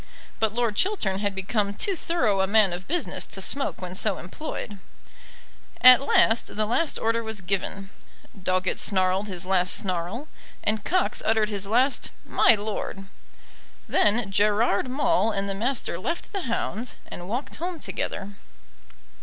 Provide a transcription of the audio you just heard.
But Lord Chiltern had become too thorough a man of business to smoke when so employed. At last the last order was given, Doggett snarled his last snarl, and Cox uttered his last "My lord." Then Gerard Maule and the Master left the hounds and walked home together.